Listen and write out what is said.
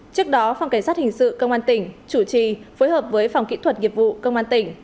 trước đó phòng cảnh sát hình sự công an tỉnh chủ trì phối hợp với phòng kỹ thuật nghiệp vụ công an tỉnh